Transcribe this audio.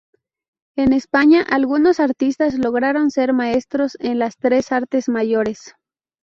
En España, algunos artistas lograron ser maestros en las tres artes mayores.